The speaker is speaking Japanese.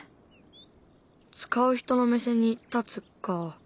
使う人の目線に立つか。